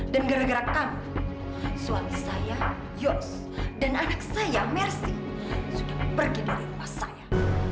dan gara gara kamu suami saya yos dan anak saya mercy sudah pergi dari rumah saya